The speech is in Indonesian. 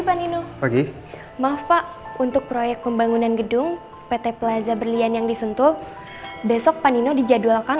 maaf pak untuk proyek pembangunan gedung pt plaza berlian yang disentul besok panino dijadwalkan